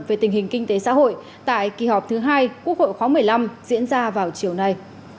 về tình hình kinh tế xã hội tại kỳ họp thứ hai quốc hội khóa một mươi năm diễn ra vào chiều nay